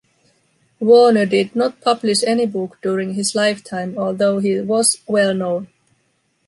Warner did not publish any book during his lifetime, although he was well known.